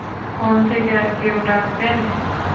Phone থেকে আর কেউ ডাকবেন?